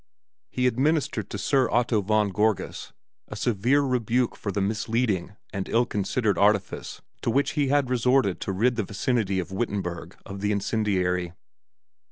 He administered to Sir Otto von Gorgas a severe rebuke for the misleading and ill considered artifice to which he had resorted to rid the vicinity of Wittenberg of the incendiary.